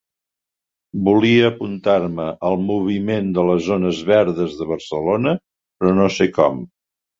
Volia apuntar-me al moviment de les zones verdes de Barcelona, però no sé com.